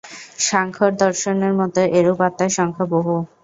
সাংখ্যদর্শনের মতে এরূপ আত্মার সংখ্যা বহু।